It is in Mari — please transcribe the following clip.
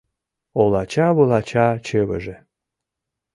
Олача-вулача чывыже